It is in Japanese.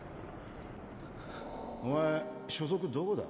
お前所属どこだ？